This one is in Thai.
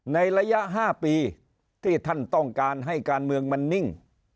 ในระยะ๕ปีที่ท่านต้องการให้การเมืองมันนิ่ง